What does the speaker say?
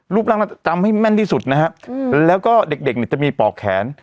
รูปร่างรักษาจำให้แม่นที่สุดนะครับแล้วก็เด็กจะมีปอกแขน